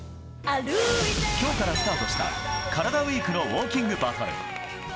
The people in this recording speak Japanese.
今日からスタートしたカラダＷＥＥＫのウォーキングバトル。